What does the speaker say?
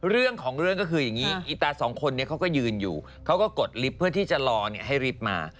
เขาก็พลังหัวฟื้นอยู่เขาก็กดลิฟต์เพื่อที่จะรอนี่ให้ดริฟต์มา